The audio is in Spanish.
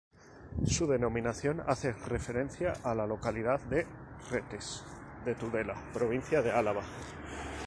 Su denominación hace referencia a la localidad de Retes de Tudela, provincia de Álava.